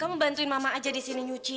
kamu membantuin mama aja di sini nyuci